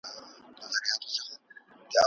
بې ځایه غوښتنې نه منل کېږي.